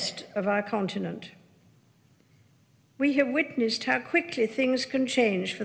ketika kita berada di luar kontinen kita kita telah melihat seberapa cepat hal ini bisa berubah untuk lebih baik